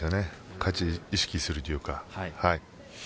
勝ちを意識するというか。